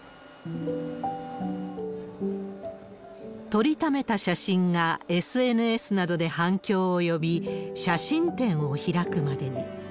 撮りためた写真がＳＮＳなどで反響を呼び、写真展を開くまでに。